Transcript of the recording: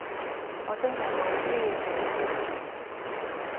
我真係好需要你支持